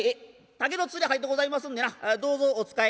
竹の筒に入ってございますんでなどうぞお使い」。